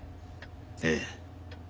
ええ。